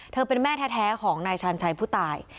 เป็นแม่แท้ของนายชาญชัยผู้ตาย